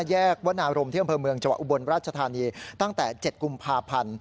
แยกวัดอารมณ์เที่ยวเมืองจังหวะอุบลราชธานีตั้งแต่๗กุมภาพันธ์